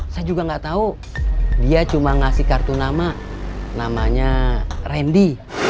saya juga nggak tahu dia cuma ngasih kartu nama namanya randy